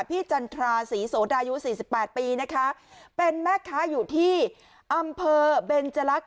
จันทราศรีโสดายุสี่สิบแปดปีนะคะเป็นแม่ค้าอยู่ที่อำเภอเบนจลักษ